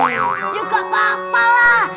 oh ya gak apa apa lah